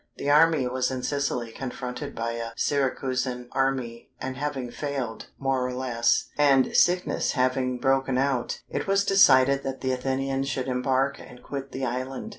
The army was in Sicily, confronted by a Syracusan army, and having failed, more or less, and sickness having broken out, it was decided that the Athenians should embark and quit the island.